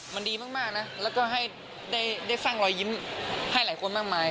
มันดีมากนะแล้วก็ให้ได้สร้างรอยยิ้มให้หลายคนมากมาย